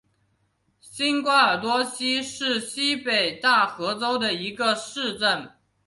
新阿瓜多西是巴西北大河州的一个市镇。